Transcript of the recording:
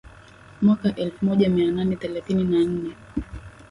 mwaka elfu moja mia nane thelathini na nne